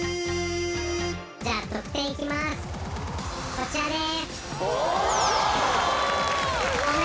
こちらです